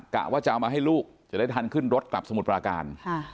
กะว่าจะเอามาให้ลูกจะได้ทันขึ้นรถกลับสมุทรปราการ